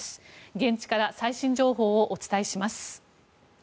現地から最新情報をお伝えします。